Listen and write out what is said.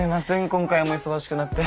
今回も忙しくなって。